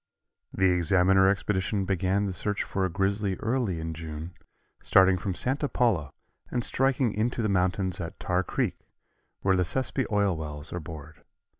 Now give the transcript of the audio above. The Examiner expedition began the search for a grizzly early in June, starting from Santa Paula and striking into the mountains at Tar Creek, where the Sespe oil wells are bored.